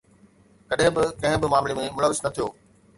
ڪڏهن به ڪنهن به معاملي ۾ ملوث نه ٿيو.